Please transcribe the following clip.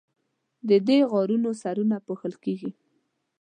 د دې غارونو سرونه پوښل کیږي.